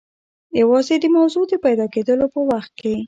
یوازې د موضوع د پیدا کېدلو په وخت کې.